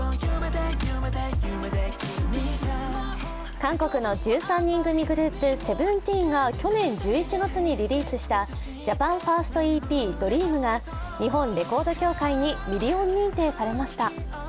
韓国の１３人組グループＳＥＶＥＮＴＥＥＮが去年１１月にリリースしたジャパンファーストＥＰ「ＤＲＥＡＭ」が日本レコード協会にミリオン認定されました。